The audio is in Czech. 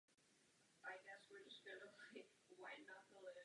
Zpět se klub probojoval až po patnácti letech.